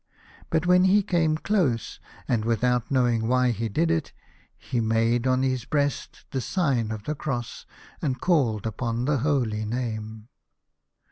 But when he came close, and without knowing why he did it, he made on his breast the sign of the Cross, and called upon the holy name.